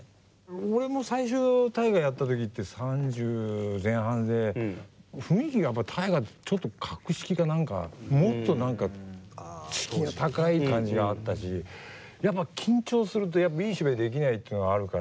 俺も最初「大河」やった時って３０前半で雰囲気がやっぱ「大河」ってちょっと格式が何かもっと何か敷居が高い感じがあったしやっぱ緊張するといい芝居できないっていうのがあるから。